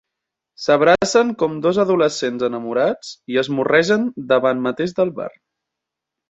S'abracen com dos adolescents enamorats i es morregen davant mateix del bar.